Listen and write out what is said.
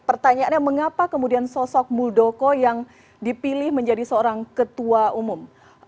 pertanyaannya mengapa kemudian sosok muldoko yang dipilih menjadi seorang ketua umum